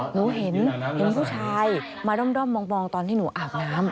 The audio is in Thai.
หนูเห็นผู้ชายมาด้อมมองตอนที่หนูอาบน้ำ